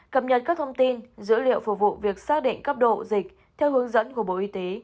cập nhật các thông tin dữ liệu phục vụ việc xác định cấp độ dịch theo hướng dẫn của bộ y tế